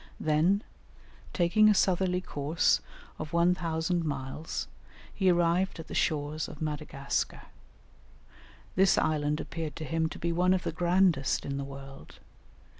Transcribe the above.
Then, taking a southerly course of 1000 miles, he arrived at the shores of Madagascar. This island appeared to him to be one of the grandest in the world.